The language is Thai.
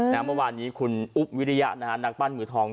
ได้มาวันนี้คุณอุ๊บดวิริยะนักปั้นมือทองได้